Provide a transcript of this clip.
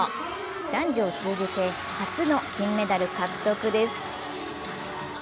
男女を通じて初の金メダル獲得です。